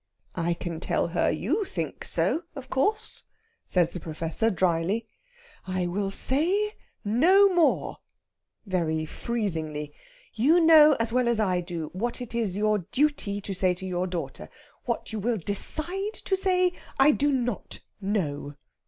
"I can tell her you think so, of course," says the Professor, drily. "I will say no more" very freezingly. "You know as well as I do what it is your duty to say to your daughter. What you will decide to say, I do not know."